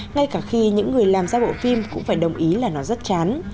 ngay cả khi những người làm ra bộ phim cũng phải đồng ý là nó rất chán